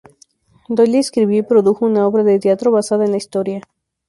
Doyle escribió y produjo una obra de teatro basada en la historia.